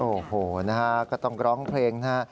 โอ้โฮนะครับก็ต้องร้องเพลงนะ